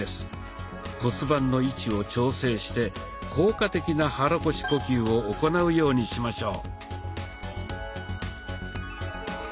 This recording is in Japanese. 骨盤の位置を調整して効果的な肚腰呼吸を行うようにしましょう。